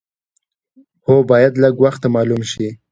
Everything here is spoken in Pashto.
هو باید لږ وخته معلوم شي.